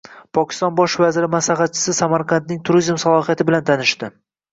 Pokiston Bosh vaziri maslahatchisi Samarqandning turizm salohiyati bilan tanishdi